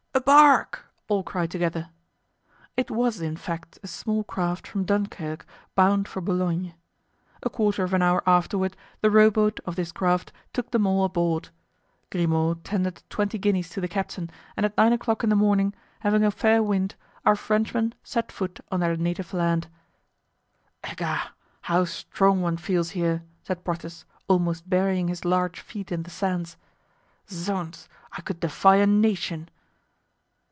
"A bark!" all cried together. It was, in fact, a small craft from Dunkirk bound for Boulogne. A quarter of an hour afterward the rowboat of this craft took them all aboard. Grimaud tendered twenty guineas to the captain, and at nine o'clock in the morning, having a fair wind, our Frenchmen set foot on their native land. "Egad! how strong one feels here!" said Porthos, almost burying his large feet in the sands. "Zounds! I could defy a nation!"